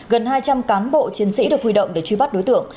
gần hai trăm linh cán bộ chiến sĩ được huy động để truy bắt đối tượng